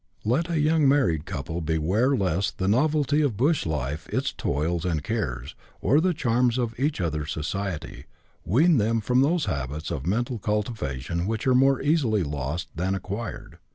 Let a young married couple beware lest the novelty of bush life, its toils and cares, or the charms of each other's society, wean them from those habits of mental cultivation which are more easily lost 156 BUSH LIFE IN AUSTRALIA. [chap. xiv. than acquired.